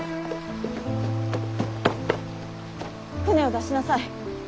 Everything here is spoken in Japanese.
舟を出しなさい。